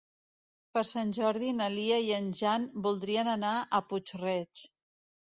Per Sant Jordi na Lia i en Jan voldrien anar a Puig-reig.